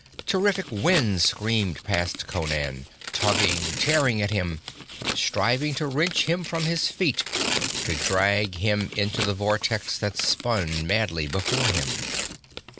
Terrific winds screamed past Conan, tugging, tearing at him, striving to wrench him from his feet, to drag him into the vortex that spun madly before him.